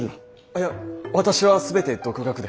いえ私は全て独学で。